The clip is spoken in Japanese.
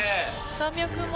３００万。